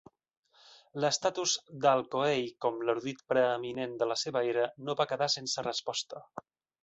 L'estatus d'Al-Khoei com l'erudit preeminent de la seva era no va quedar sense resposta.